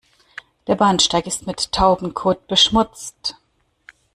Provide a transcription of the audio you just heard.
Der Bahnsteig ist mit Taubenkot beschmutzt.